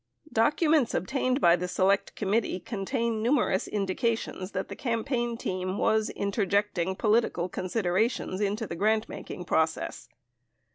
75 Documents obtained by the Select Committee contain numerous indi cations that the campaign team was interj'ecting political considera tions into the grantmaking process.